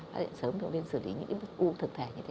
phát hiện sớm thì cũng nên xử lý những cái u thực thể như thế